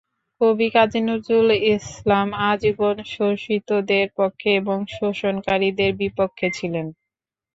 কবি কাজী নজরুল ইসলাম আজীবন শোষিতদের পক্ষে এবং শোষণকারীদের বিপক্ষে ছিলেন।